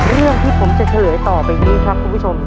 เรื่องที่ผมจะเฉลยต่อไปนี้ครับคุณผู้ชม